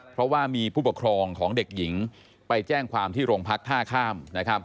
เพราะว่ามีผู้ปกครองของเด็กหญิงไปแจ้งความที่โรงพักท่าข้าม